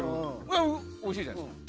あれ、おいしいじゃないですか。